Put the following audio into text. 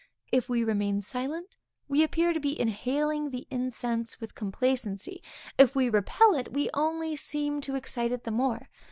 If we remain silent, we appear to be inhaling the incense with complacency; if we repel it, we only seem to excite it the more.